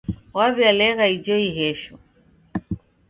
Waw'ialegha ijo ighesho.